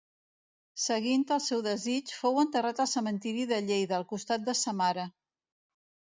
Seguint el seu desig, fou enterrat al Cementiri de Lleida, al costat de sa mare.